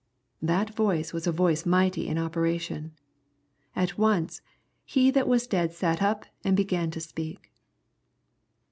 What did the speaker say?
That voice was a voice mighty in operation. At once he that was dead sat up and began to speak."